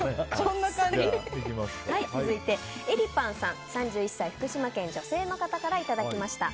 続いて、３１歳、福島県の女性の方からいただきました。